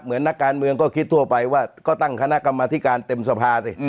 นักการเมืองก็คิดทั่วไปว่าก็ตั้งคณะกรรมธิการเต็มสภาสิ